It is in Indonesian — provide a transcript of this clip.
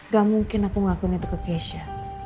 gak mungkin aku ngakuin itu ke keisha